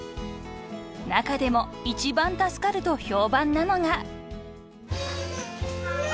［中でも「一番助かる」と評判なのが］